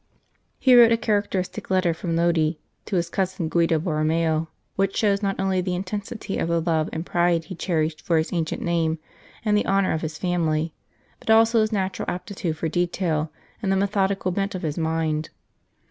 He wrote a characteristic letter from Lodi to his cousin Guido Borromeo, which shows not only the intensity of the love and pride he cherished for his ancient name and the honour of his family, but also his natural aptitude for detail, and the methodical bent of his mind.